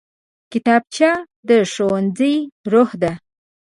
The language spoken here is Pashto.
کتابچه د ښوونځي روح ده